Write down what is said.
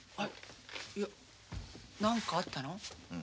いや何かあったの？